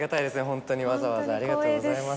ホントにわざわざありがとうございます。